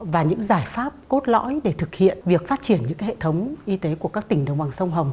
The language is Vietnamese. và những giải pháp cốt lõi để thực hiện việc phát triển những hệ thống y tế của các tỉnh đồng bằng sông hồng